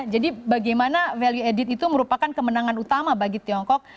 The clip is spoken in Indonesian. jadi bagaimana value added itu merupakan kemenangan utama bagi tiongkok